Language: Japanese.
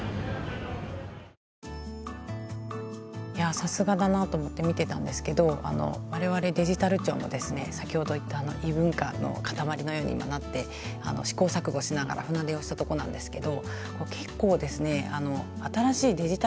さすがだなと思って見てたんですけどわれわれデジタル庁も先ほど言った異文化の塊のようになって試行錯誤しながら船出をしたとこなんですけど。